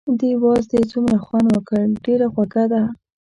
دې وازدې څومره خوند وکړ، ډېره خوږه ده.